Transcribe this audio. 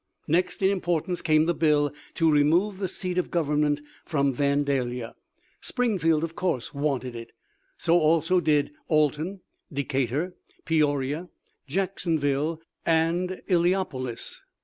Next in importance came the bill to remove the seat of government' from Vandalia. Springfield, of course, wanted it. So also did Alton, Decatur, Peoria, Jacksonville, and Illiopolis.